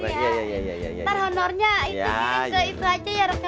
mak mak mak